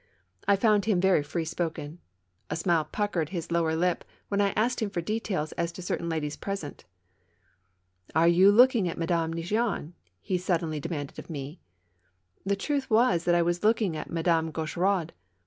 I found him very free spoken. A smile puckered bis lower lip when I asked him for details as to certain ladies present. " Are you looking at Madame Neigeon? " he suddenly demanded of me. The truth was that I was looking at Madame Gauch eraud.